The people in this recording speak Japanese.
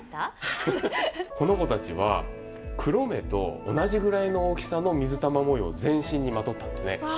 この子たちは黒目と同じぐらいの大きさの水玉模様を全身にまとったんですね。